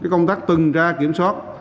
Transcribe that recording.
công tác tuần tra kiểm soát